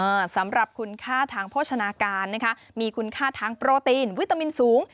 สำหรับคุณค่าทางโภชนาการนะคะมีคุณค่าทางโปรตีนวิตามินสูง